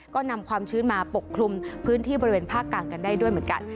ก็นำความชื้นมาปกคลุมพื้นที่บริเวณภาคกลางกันได้ด้วยเหมือนกัน